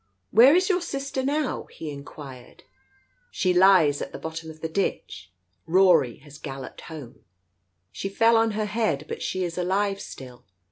... "Where is your sister now?" he inquired. " She lies at the bottom of the ditch. Rory has galloped home. She fell on her head, but she is alive still.